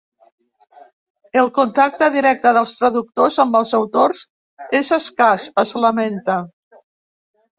El contacte directe dels traductors amb els autors és escàs, es lamenta.